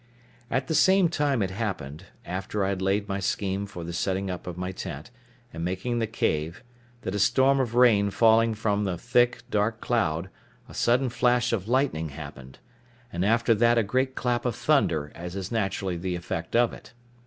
At the same time it happened, after I had laid my scheme for the setting up my tent, and making the cave, that a storm of rain falling from a thick, dark cloud, a sudden flash of lightning happened, and after that a great clap of thunder, as is naturally the effect of it.